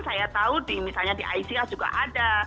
saya tahu di misalnya di aisyah juga ada